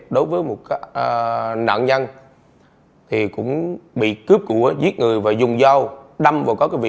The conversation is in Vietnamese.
đối với một nạn nhân thì cũng bị cướp của giết người và dùng dao đâm vào các cái vụ việc